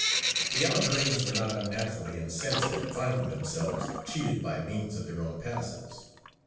The Algerines were not unnaturally incensed at finding themselves cheated by means of their own passes.